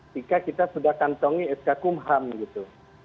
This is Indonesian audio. jika kita sudah kantongi sk kumham gitu